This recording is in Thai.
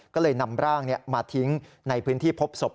ก็เลยนำร่างมาทิ้งในพื้นที่พบศพ